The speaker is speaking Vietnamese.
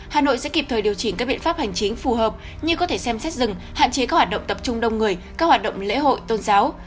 hà nội sẽ kịp thời điều chỉnh các biện pháp hành chính phù hợp như có thể xem xét rừng hạn chế các hoạt động tập trung đông người các hoạt động lễ hội tôn giáo